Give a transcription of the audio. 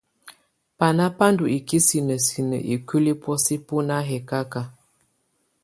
Bana bá ndù ikisinǝ sinǝ ikuili bɔ̀ósɛ bú na hɛkaka.